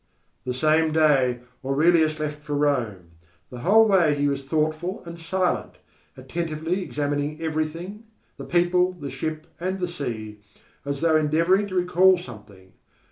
The same day Aurelius left for Rome. The whole way he was thoughtful and silent, attentively examining everything, the people, the ship, and the sea, as though endeavouring to recall something.